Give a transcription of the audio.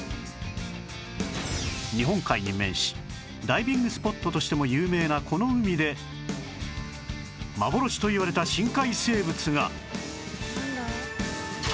日本海に面しダイビングスポットとしても有名なこの海で幻といわれた深海生物が！